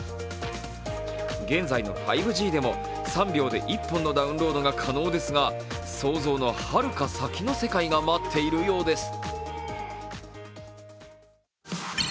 現在の５Ｇでも、３本に１本のダウンロードが可能ですが、想像のはるか先の世界が待っているようです。